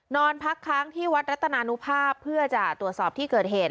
นอนพักค้างที่วัดรัตนานุภาพเพื่อจะตรวจสอบที่เกิดเหตุ